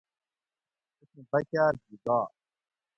تتھیں بکاۤر گی گا